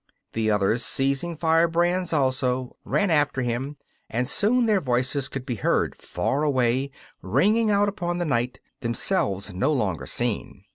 The others seizing firebrands also, ran after him, and soon their voices could be heard far away, ringing out upon the night, themselves no longer seen.